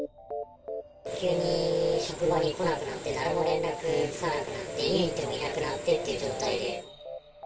急に職場に来なくなって、誰も連絡つかなくなって、家に行ってもいなくなってっていう状態で。